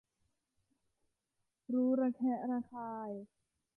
รู้ระแคะระคาย